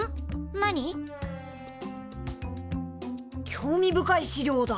興味深い資料だ。